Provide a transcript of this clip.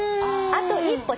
あと１歩。